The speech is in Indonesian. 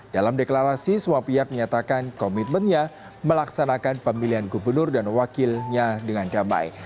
dalam deklarasi semua pihak menyatakan komitmennya melaksanakan pemilihan gubernur dan wakilnya dengan damai